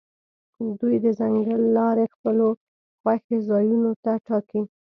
دوی د ځنګل لارې خپلو خوښې ځایونو ته ټاکي